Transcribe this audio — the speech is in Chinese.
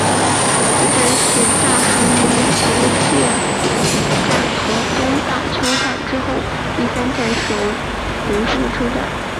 此站是大韩民国继首尔站和东大邱站之后第三多使用人数的车站。